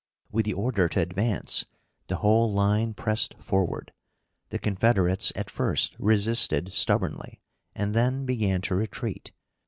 With the order to advance, the whole line pressed forward. The Confederates at first resisted stubbornly, and then began to retreat.